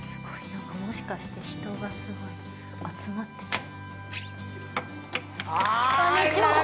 なんか、もしかして、人がすごい集まってきた？